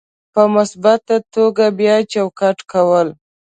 په مثبته توګه بیا چوکاټ کول: